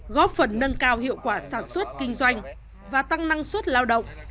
góp phần nâng cao hiệu quả sản xuất kinh doanh và tăng năng suất lao động